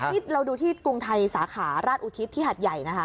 นี่เราดูที่กรุงไทยสาขาราชอุทิศที่หัดใหญ่นะคะ